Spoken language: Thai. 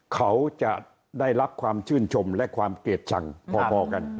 เขาจะได้รับความชื่นชมและความเกลียดชังพอกัน